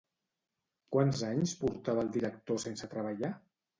Quants anys portava el director sense treballar?